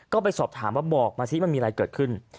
ก็ไปสอบถามว่าบอกมาสิมันมีอะไรเกิดขึ้น